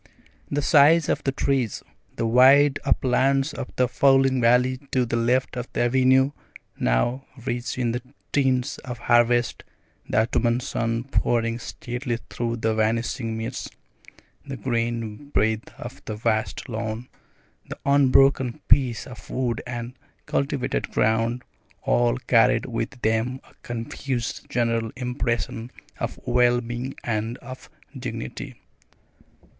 The size of the trees, the wide uplands of the falling valley to the left of the avenue, now rich in the tints of harvest, the autumn sun pouring steadily through the vanishing mists, the green breadth of the vast lawn, the unbroken peace of wood and cultivated ground, all carried with them a confused general impression of well being and of dignity.